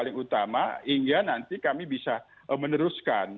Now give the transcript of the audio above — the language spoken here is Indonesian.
terutama hingga nanti kami bisa meneruskan